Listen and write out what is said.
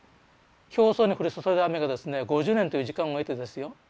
表層に降り注いだ雨がですね５０年という時間を経てですよ